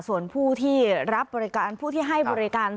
ส่วนผู้ที่รับบริการผู้ที่ให้บริการ